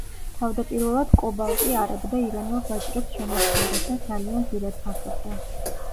თავდაპირველად კობალტი არაბ და ირანელ ვაჭრებს შემოჰქონდათ და ძალიან ძვირად ფასობდა.